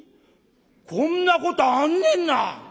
こんなことあんねんな。